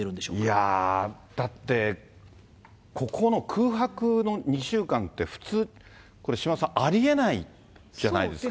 いやー、だって、ここの空白の２週間って、普通、これ、島田さん、ありえないじゃないですか。